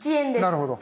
なるほど。